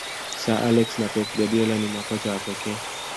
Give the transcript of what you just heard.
sir alex na pep guardiola ni makocha wa pekee